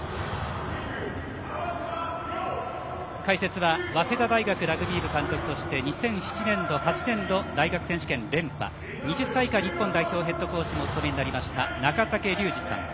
解説は早稲田大学ラグビー部監督として２００７年と２００８年と大学選手権連覇２０歳以下の日本代表ヘッドコーチもお務めになりました中竹竜二さん。